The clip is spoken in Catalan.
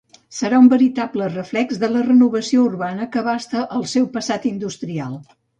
Serà un veritable reflex de la renovació urbana que abasta el seu passat industrial.